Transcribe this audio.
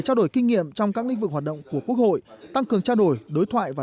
trao đổi kinh nghiệm trong các lĩnh vực hoạt động của quốc hội tăng cường trao đổi đối thoại và